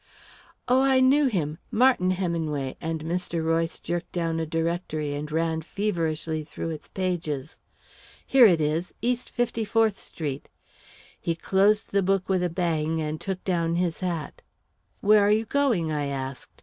"Oh, I knew him Martin Heminway," and Mr. Royce jerked down a directory and ran feverishly through its pages. "Here it is East Fifty fourth Street." He closed the book with a bang and took down his hat. "Where are you going?" I asked.